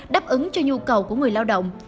đáp ứng cho nhu cầu của người lao động